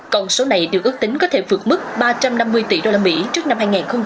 còn số này được ước tính có thể vượt mức ba trăm năm mươi tỷ đô la mỹ trước năm hai nghìn hai mươi bảy